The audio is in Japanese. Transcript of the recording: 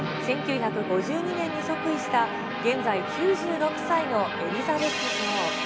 １９５２年に即位した、現在９６歳のエリザベス女王。